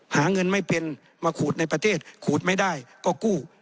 หาเงินไม่เป็นมาขูดในประเทศขูดไม่ได้ก็กู้